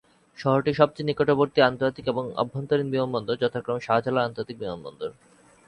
শহরটির সবচেয়ে নিকটবর্তী আন্তর্জাতিক এবং আভ্যন্তরীণ বিমানবন্দর যথাক্রমে শাহজালাল আন্তর্জাতিক বিমানবন্দর।